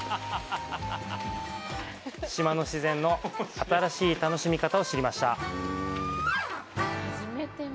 島の自然の新しい楽しみ方を知りました。